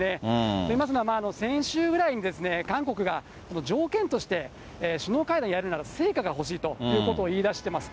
っていいますのは、先週ぐらいにですね、韓国が条件として首脳会談をやるなら成果が欲しいということを言いだしてます。